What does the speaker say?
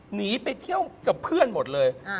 หนีไปเที่ยวกับเพื่อนหมดเลย